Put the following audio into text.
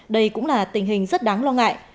đây cũng là tình hình rất đáng lo ngại